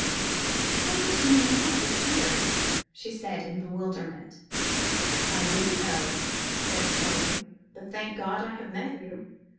"How could you know I was here?" she said, in bewilderment. "I didn't know," he said, slowly. "But, thank God, I have met you.